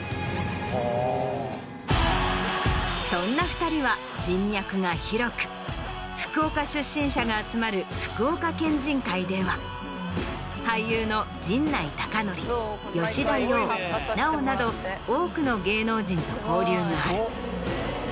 そんな２人は人脈が広く福岡出身者が集まる福岡県人会では俳優の陣内孝則吉田羊奈緒など多くの芸能人と交流がある。